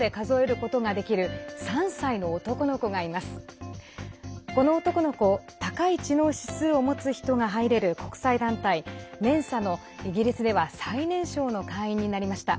この男の子高い知能指数を持つ人が入れる国際団体ＭＥＮＳＡのイギリスでは最年少の会員になりました。